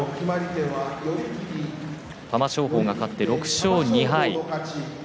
玉正鳳が勝って６勝２敗。